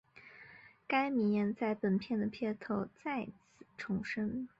该名言在本片的片头再次重申。